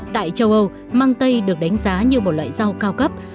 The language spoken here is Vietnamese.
tại châu âu mang tây được đánh giá như một loại rau cao cấp